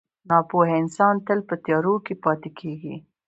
• ناپوهه انسان تل په تیارو کې پاتې کېږي.